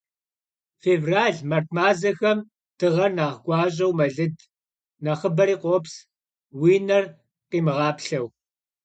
Fêvral, mart mazexem dığer nexh guaş'eu melıd, nexhıberi khops, vui ner khimığaplheu.